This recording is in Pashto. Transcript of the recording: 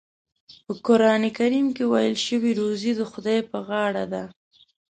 په قرآن کریم کې ویل شوي روزي د خدای په غاړه ده.